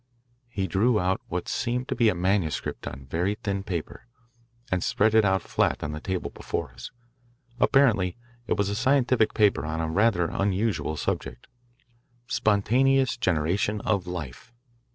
He drew out what seemed to be a manuscript on very thin paper, and spread it out flat on the table before us. Apparently it was a scientific paper on a rather unusual subject, "Spontaneous Generation of Life."